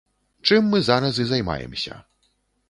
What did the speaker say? Чым мы зараз і займаемся.